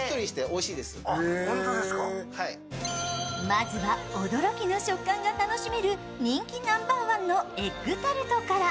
まずは、驚きの食感が楽しめる人気ナンバーワンのエッグタルトから。